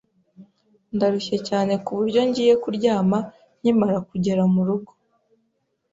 Ndarushye cyane ku buryo ngiye kuryama nkimara kugera mu rugo.